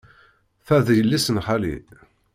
Ta d yelli-s n xali.